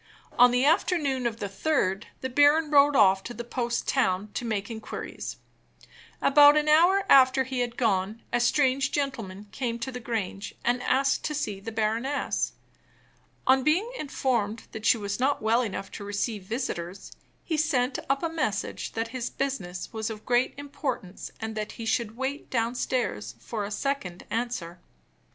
On the afternoon of the third, the baron rode off to the post town to make inquiries. About an hour after he had gone, a strange gentleman came to the Grange and asked to see the baroness. On being informed that she was not well enough to receive visitors, he sent up a message that his business was of great importance and that he would wait downstairs for a second answer.